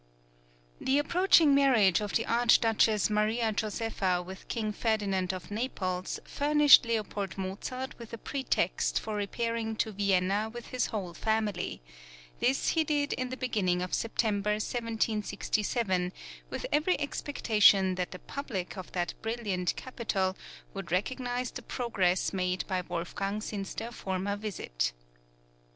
THE approaching marriage of the Archduchess Maria Josepha with King Ferdinand of Naples furnished Leopold Mozart with a pretext for repairing to Vienna with his whole family; this he did in the beginning of September, 1767, with every expectation that the public of that brilliant capital would recognise the progress made by Wolfgang since their former visit.